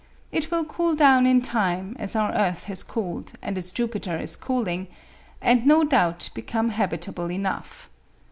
It will cool down in time, as our earth has cooled and as Jupiter is cooling, and no doubt become habitable enough.